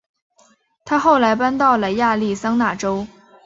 她后来搬到了亚利桑那州。